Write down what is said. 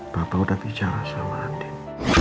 bapak udah bicara sama andin